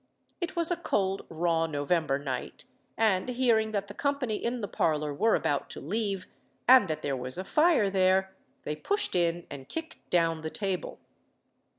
It was a cold, raw, November night; and hearing that the company in the parlour were about to leave, and that there was a fire there, they pushed in and kicked down the table.